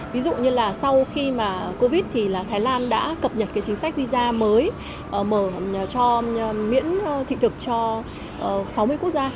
ví dụ như là sau khi mà covid thì thái lan đã cập nhật cái chính sách visa mới cho miễn thị thực cho sáu mươi quốc gia